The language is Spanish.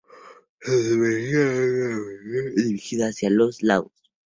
Sobre su superficie, hay una prominencia dirigida hacia los lados.